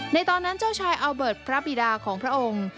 ตอนนั้นเจ้าชายอัลเบิร์ตพระบิดาของพระองค์